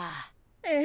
ええ？